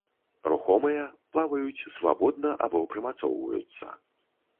Рухомыя, плаваюць свабодна або прымацоўваюцца.